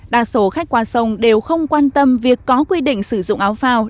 đa số khách qua sông đều không quan tâm việc có quy định sử dụng áo phao